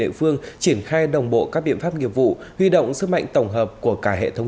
địa phương triển khai đồng bộ các biện pháp nghiệp vụ huy động sức mạnh tổng hợp của cả hệ thống